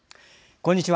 こんにちは。